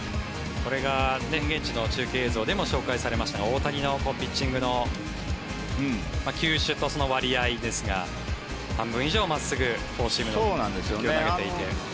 これが現地の中継映像でも紹介されましたが大谷のピッチングの球種とその割合ですが半分以上真っすぐフォーシームで投げていて。